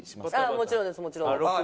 もちろんですもちろんです。